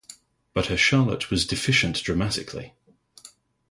But her Charlotte was deficient dramatically.